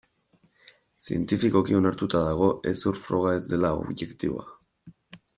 Zientifikoki onartuta dago hezur froga ez dela objektiboa.